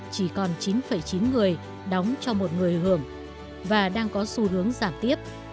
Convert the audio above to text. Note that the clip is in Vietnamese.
chỉ còn chín chín người đóng cho một người hưởng và đang có xu hướng giảm tiếp